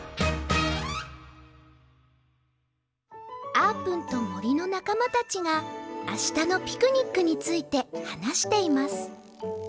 あーぷんともりのなかまたちがあしたのピクニックについてはなしています